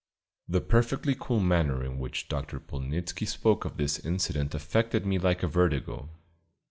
The perfectly cool manner in which Dr. Polnitzski spoke of this incident affected me like a vertigo.